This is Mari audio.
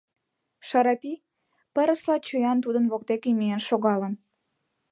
Шарапи пырысла чоян тудын воктеке миен шогалын.